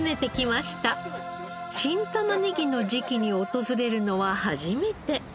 新玉ねぎの時期に訪れるのは初めて。